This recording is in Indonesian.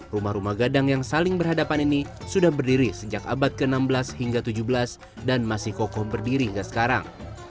rumah rumah gadang yang saling berhadapan ini sudah berdiri sejak abad ke enam belas hingga ke tujuh belas dan masih kokoh berdiri hingga sekarang